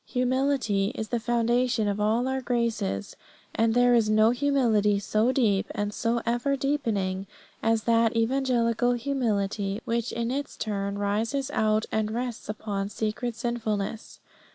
Humility is the foundation of all our graces, and there is no humility so deep and so ever deepening as that evangelical humility which in its turn rises out of and rests upon secret sinfulness.